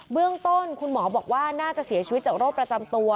เรื่องต้นคุณหมอบอกว่าน่าจะเสียชีวิตจากโรคประจำตัว